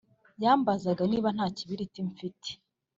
yambazaga niba ntakibiriti mfite